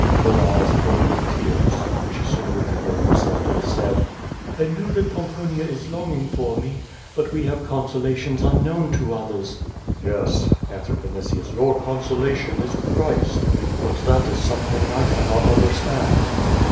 Her eyes filled with tears. She soon recovered herself, and said, "I know that Pomponia is longing for me. But we have consolations unknown to others." "Yes," answered Vinitius, "your consolation is Christ. But that is something I cannot understand."